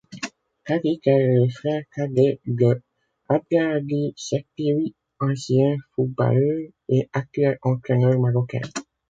Tarik est le frère cadet de Abdelhadi Sektioui ancien footballeur et actuel entraîneur marocain.